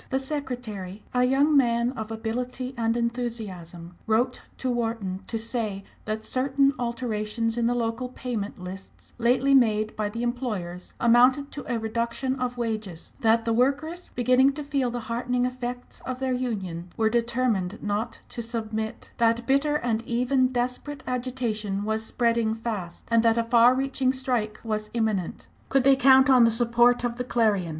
The secretary, a young man of ability and enthusiasm, wrote to Wharton to say that certain alterations in the local "payment lists" lately made by the employers amounted to a reduction of wages; that the workers, beginning to feel the heartening effects of their union, were determined not to submit; that bitter and even desperate agitation was spreading fast, and that a far reaching strike was imminent. Could they count on the support of the Clarion?